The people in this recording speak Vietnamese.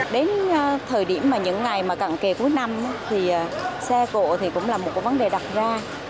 đến thời điểm mà những ngày cẳng kề cuối năm xe cộ cũng là một vấn đề đặc ra